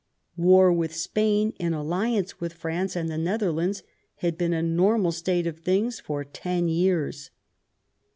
War with Spain, in THE NEW ENGLAND. 279 p alliance with France and the Netherlands, had been ei a normal state of things for ten years.